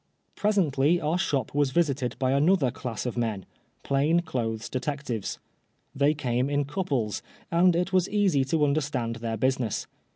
Presently our shop was visited by another class of men — plain clothes detectives. They came in couples, and it was easy to understand their business.